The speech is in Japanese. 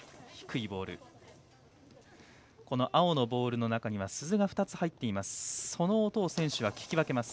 青のボールの中には鈴が２つ入っています。